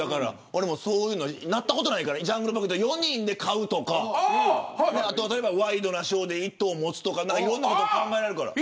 俺もそういうことになったことないからジャングルポケット４人で買うとかワイドナショーで１頭を持つとかいろんなこと考えられるから。